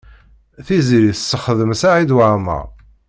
Tiziri tessexdem Saɛid Waɛmaṛ.